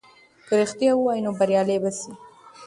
که رښتیا ووایې نو بریالی به سې.